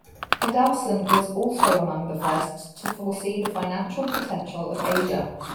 Adelson was also among the first to foresee the financial potential of Asia.